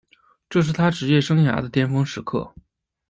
这是他职业生涯的巅峰时期。